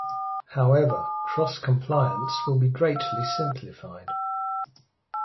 However, cross compliance will be greatly simplified.